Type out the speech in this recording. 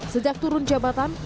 sejak turun jabatan